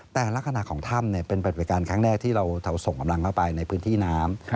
แต่ลักษณะของถ้ำเป็นปฏิบัติการครั้งแรกที่เราส่งกำลังเข้าไปในพื้นที่น้ำ